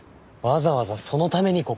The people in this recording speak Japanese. わざわざそのためにここに？